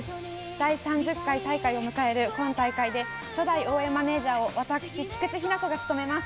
第３０回大会を迎える今大会で初代応援マネージャーを私、菊池日菜子が務めます。